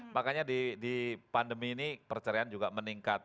makanya di pandemi ini perceraian juga meningkat